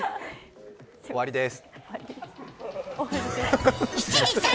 終わりです。